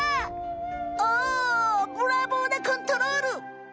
おブラボーなコントロール！